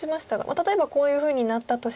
例えばこういうふうになったとして。